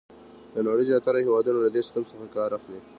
د نړۍ زیاتره هېوادونه له دې سیسټم څخه کار اخلي.